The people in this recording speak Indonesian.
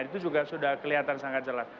itu juga sudah kelihatan sangat jelas